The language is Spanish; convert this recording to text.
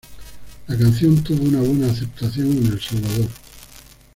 La canción tuvo una buena aceptación en El Salvador.